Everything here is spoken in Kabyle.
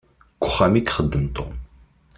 Deg uxxam i ixeddem Tom.